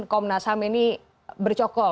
komnas ham ini bercokol